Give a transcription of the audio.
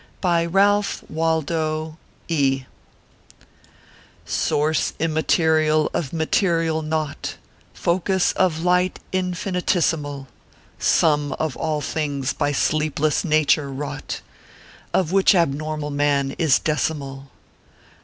BY RALPH WALDO E Source immaterial of material naught, Focus of light infinitesimal, Sum of all things by sleepless Nature wrought, Of which abnormal man is decimal.